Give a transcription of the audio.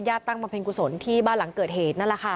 ตั้งบำเพ็ญกุศลที่บ้านหลังเกิดเหตุนั่นแหละค่ะ